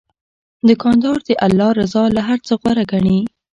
دوکاندار د الله رضا له هر څه غوره ګڼي.